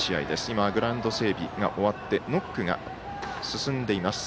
今グラウンド整備が終わってノックが進んでいます。